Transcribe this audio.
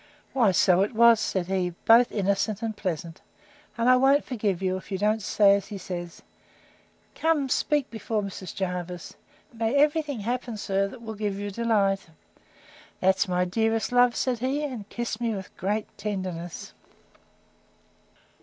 Why, so it was, said he, both innocent and pleasant: and I won't forgive you, if you don't say as he says. Come, speak before Mrs. Jervis. May every thing happen, sir, said I, that will give you delight!—That's my dearest love, said he, and kissed me with great tenderness.